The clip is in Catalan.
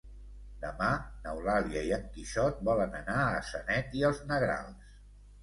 Demà n'Eulàlia i en Quixot volen anar a Sanet i els Negrals.